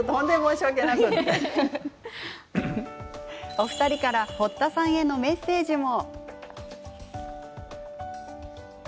お二人から堀田さんへのメッセージも。